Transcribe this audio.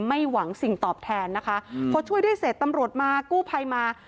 ไม่หวังสิ่งตอบแทนนะคะพอช่วยได้เสร็จตำรวจมากู้ภัยมา